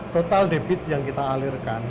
total debit yang kita alirkan